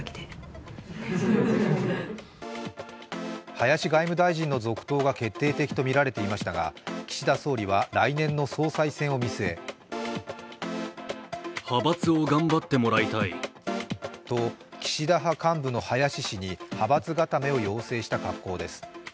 林外務大臣の続投が決定的とみられていましたが岸田総理は来年の総裁選を見据えと岸田派幹部の林氏に派閥固めを要請した格好です。